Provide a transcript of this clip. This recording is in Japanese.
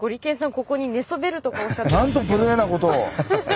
ここに寝そべるとかおっしゃってましたけど。